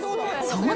そう。